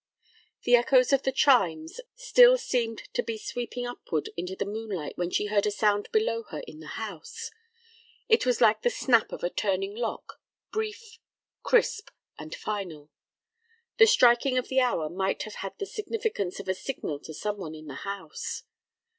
The echoes of the chimes still seemed to be sweeping upward into the moonlight when she heard a sound below her in the house. It was like the snap of a turning lock, brief, crisp, and final. The striking of the hour might have had the significance of a signal to some one in the house.